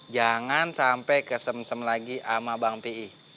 jangan sampai kesem sem lagi sama bang pi